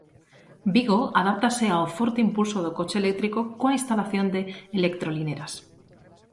Vigo adáptase ao forte impulso do coche eléctrico coa instalación de electrolineras.